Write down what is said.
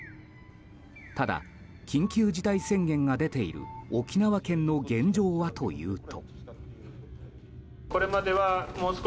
ただ、緊急事態宣言が出ている沖縄県の現状はというと。